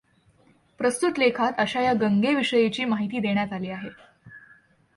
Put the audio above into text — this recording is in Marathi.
प्रस्तुत लेखात अशा या गंगे विषयीची माहिती देण्यात आली आहे.